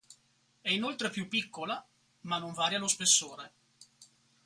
È inoltre più piccola, ma non varia lo spessore.